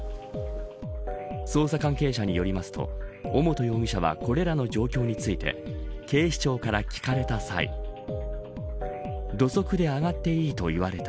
捜査関係者によりますと尾本容疑者はこれらの状況について警視庁から聞かれた際土足で上がっていいと言われた。